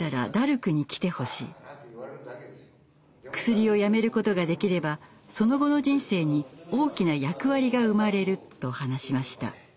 クスリをやめることができればその後の人生に大きな役割が生まれる」と話しました。